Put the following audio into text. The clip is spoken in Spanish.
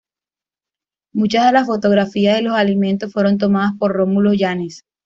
Muchas de las fotografías de los alimentos fueron tomadas por Romulo Yanes.